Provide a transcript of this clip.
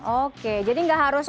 oke jadi nggak harus